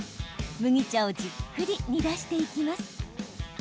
麦茶をじっくり煮出していきます。